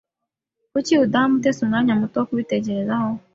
Kuki udaha Mutesi umwanya muto wo kubitekerezaho?